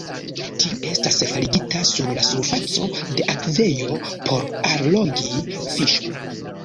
Tiu estas faligita sur la surfaco de akvejo por allogi fiŝon.